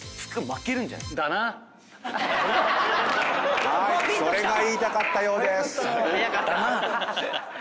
それが言いたかったようです。